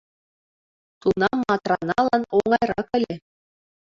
Тунам Матраналан оҥайрак ыле.